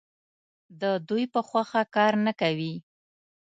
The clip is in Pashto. د دوی په خوښه کار نه کوي.